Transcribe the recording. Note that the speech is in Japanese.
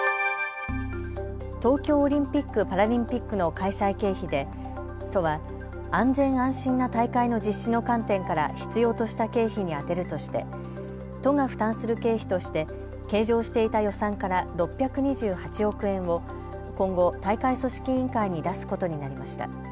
東京オリンピック・パラリンピックの開催経費で都は安全安心な大会の実施の観点から必要とした経費に充てるとして都が負担する経費として計上していた予算から６２８億円を今後、大会組織委員会に出すことになりました。